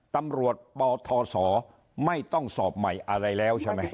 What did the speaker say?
ตำรวจปทศไม่ต้องสอบใหม่อะไรแล้วใช่ไหม